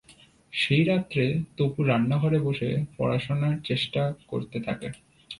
সেই রাত্রে তপু রান্নাঘরে বসে পড়াশোনার চেষ্টা করতে থাকে।